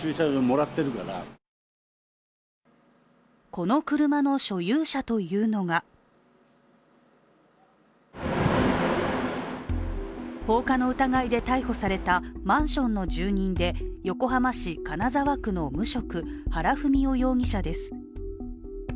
この車の所有者というのが放火の疑いで逮捕されたマンションの住人で横浜市金沢区の無職原文雄容疑者です。